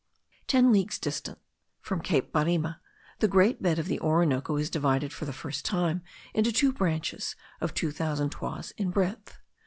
Ten leagues distant from Cape Barima, the great bed of the Orinoco is divided for the first time into two branches of two thousand toises in breadth.